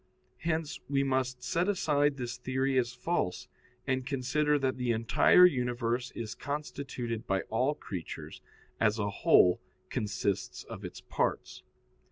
Hence we must set aside this theory as false, and consider that the entire universe is constituted by all creatures, as a whole consists of its parts.